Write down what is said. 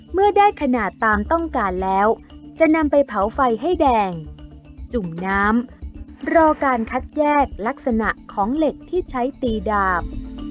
เมื่อได้ขนาดตามต้องการแล้วจะนำไปเผาไฟให้แดงจุ่มน้ำรอการคัดแยกลักษณะของเหล็กที่ใช้ตีดาบ